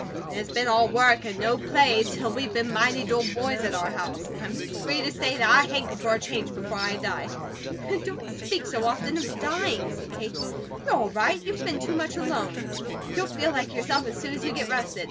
IT'S BEEN ALL WORK AND NO PLAY TILL WE'VE BEEN MIGHTY 'DULL BOYS' AT OUR HOUSE; I'M FREE TO SAY THAT I HANKER FOR A CHANGE BEFORE I DIE." "Don't speak so often of dying," said Kate. "You're all right. You've been too much alone. You'll feel like yourself as soon as you get rested."